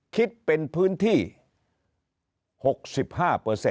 คิดเป็นพื้นที่๖๕๐๐๐ไร่